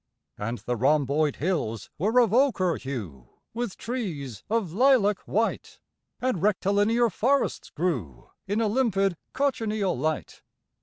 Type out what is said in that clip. And the rhomboid hills were of ochre hue With trees of lilac white, And rectilinear forests grew In a limpid cochineal light.